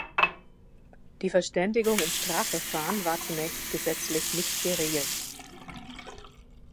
Die Verständigung im Strafverfahren war zunächst gesetzlich nicht geregelt.